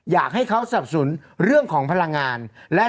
อยากให้เขาสับสนเรื่องของพลังงาน